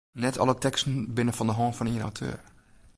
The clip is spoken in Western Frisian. Net alle teksten binne fan de hân fan ien auteur.